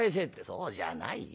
「そうじゃないよ。